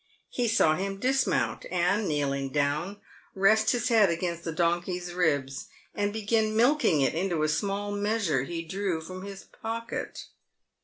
He saw him dismount, and, kneeling clown, rest his head against the donkey's ribs, and begin milking it into a small measure he drew from his pocket.